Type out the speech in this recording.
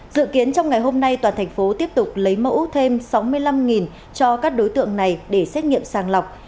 dự kiến trong ngày hôm nay toàn thành phố tiếp tục lấy mẫu thêm sáu mươi năm cho các đối tượng này để xét nghiệm sàng lọc